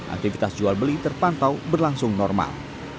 aktivitas jual beli terpantau berlangsung normal